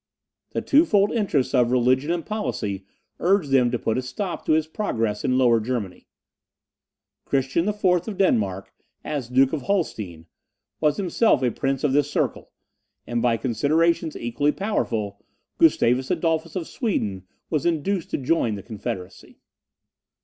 The twofold interests of religion and policy urged them to put a stop to his progress in Lower Germany. Christian IV. of Denmark, as Duke of Holstein, was himself a prince of this circle, and by considerations equally powerful, Gustavus Adolphus of Sweden was induced to join the confederacy.